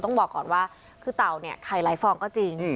ต้องบอกก่อนว่าเต่าไข่ไหลฟองก็จริง